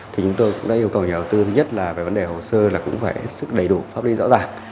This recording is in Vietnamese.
thì chúng tôi cũng đã yêu cầu nhà đầu tư thứ nhất là về vấn đề hồ sơ là cũng phải sức đầy đủ pháp lý rõ ràng